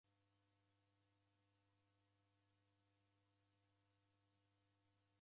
Ugho msarigho ghwasarighwa nakio.